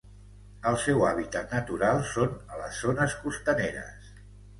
El seu hàbitat natural són a les zones costaneres.